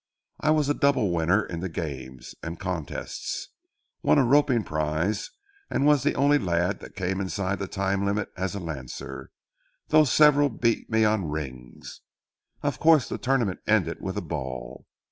I was a double winner in the games and contests—won a roping prize and was the only lad that came inside the time limit as a lancer, though several beat me on rings. Of course the tournament ended with a ball.